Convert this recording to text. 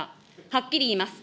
はっきり言います。